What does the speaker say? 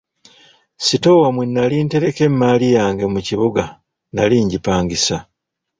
Sitoowa mwe nali ntereka emmaali yange mu kibuga nali ngipangisa.